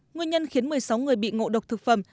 nguyên nhân khiến một mươi sáu người bị ngộ độc thực phẩm